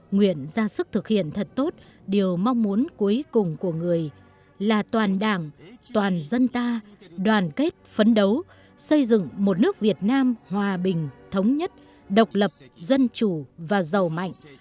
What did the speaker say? nguyện ra sức thực hiện thật tốt điều mong muốn cuối cùng của người là toàn đảng toàn dân ta đoàn kết phấn đấu xây dựng một nước việt nam hòa bình thống nhất độc lập dân chủ và giàu mạnh